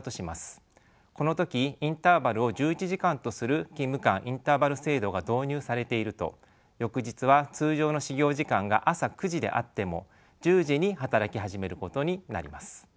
この時インターバルを１１時間とする勤務間インターバル制度が導入されていると翌日は通常の始業時間が朝９時であっても１０時に働き始めることになります。